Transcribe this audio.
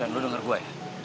dan lo denger gue ya